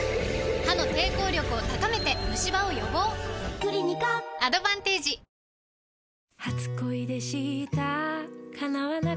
クリニカアドバンテージ・おう。